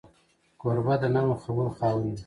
کوربه د نرمو خبرو خاوند وي.